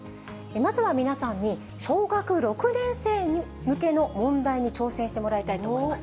まずは皆さんに、小学６年生向けの問題に挑戦してもらいたいと思います。